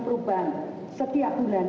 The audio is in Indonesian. perubahan setiap bulan